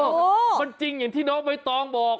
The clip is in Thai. โอ้โหมันจริงอย่างที่น้องเบยตองบอก